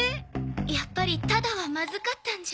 やっぱりタダはまずかったんじゃ？